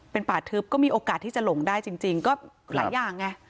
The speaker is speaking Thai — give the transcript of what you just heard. เป็นป่าทึบก็มีโอกาสที่จะหลงได้จริงก็หลายอย่างไง